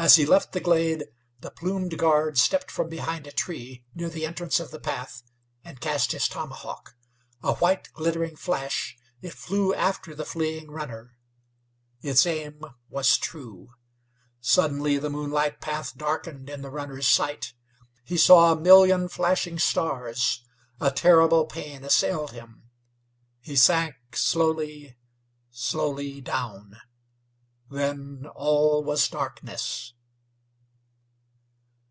As he left the glade the plumed guard stepped from behind a tree near the entrance of the path, and cast his tomahawk. A white, glittering flash, it flew after the fleeing runner; its aim was true. Suddenly the moonlight path darkened in the runner's sight; he saw a million flashing stars; a terrible pain assailed him; he sank slowly, slowly down; then all was darkness.